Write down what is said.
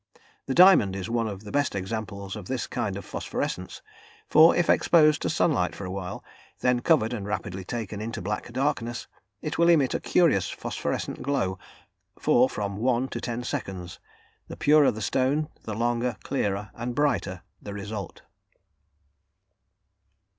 The diamond is one of the best examples of this kind of phosphorescence, for if exposed to sunlight for a while, then covered and rapidly taken into black darkness, it will emit a curious phosphorescent glow for from one to ten seconds; the purer the stone, the longer, clearer and brighter the result.